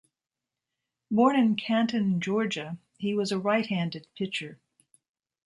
Born in Canton, Georgia, he was a right-handed pitcher.